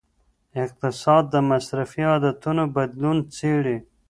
اقتصاد د مصرفي عادتونو بدلون څیړي.